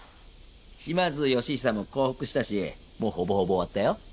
島津義久も降伏したしもうほぼほぼ終わったよ。